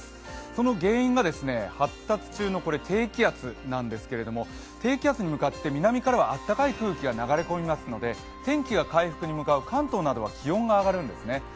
その原因が、発達中の低気圧なんですけれども、低気圧に向かって南からは暖かい空気が流れ込みますので天気が回復に向かう、関東などは気温が上がるんですね。